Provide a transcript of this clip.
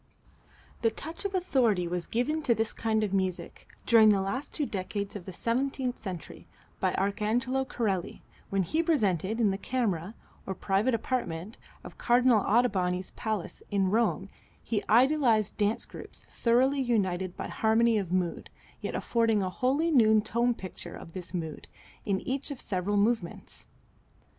The touch of authority was given to this kind of music, during the last two decades of the seventeenth century, by Arcangelo Corelli when he presented in the camera, or private apartment, of Cardinal Ottoboni's palace, in Rome, his idealized dance groups, thoroughly united by harmony of mood, yet affording a wholly new tone picture of this mood in each of several movements.